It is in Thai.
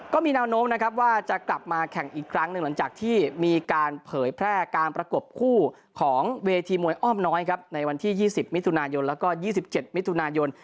ก็มีแนวโน้มนะครับว่าจะกลับมาแข่งอีกครั้งหนึ่งหลังจากที่มีการเผยแพร่การประกบคู่ของเวทีมวยอ้อมน้อยครับในวันที่๒๐มิถุนายนแล้วก็๒๗มิถุนายน